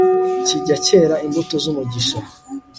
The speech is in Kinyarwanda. kijya cyera imbuto z'umugisha